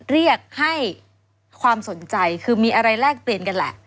เรียกให้ความสนใจคือมีอะไรแลกเปลี่ยนกันแหละ